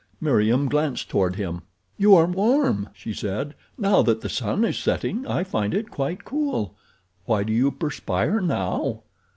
Meriem glanced toward him. "You are warm," she said. "Now that the sun is setting I find it quite cool. Why do you perspire now?"